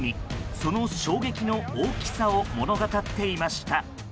その衝撃の大きさを物語っていました。